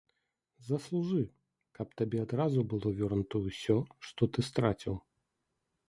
Заслужы, каб табе адразу было вернута ўсё, што ты страціў.